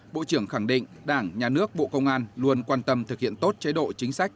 bộ trưởng khẳng định đảng nhà nước bộ công an luôn quan tâm thực hiện tốt chế độ chính sách